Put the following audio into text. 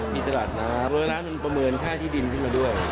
มีตลาดน้ำแล้วร้านมันประเมินค่าที่ดินขึ้นมาด้วย